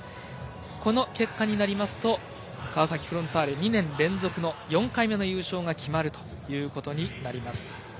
この結果になりますと川崎フロンターレ２年連続の４回目の優勝が決まるということになります。